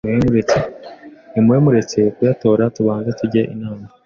Nimube muretse kuyatora tubanze tujye inama